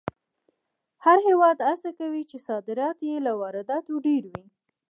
هر هېواد هڅه کوي چې صادرات یې له وارداتو ډېر وي.